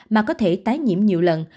mà có thể tái nhiễm nhiều lần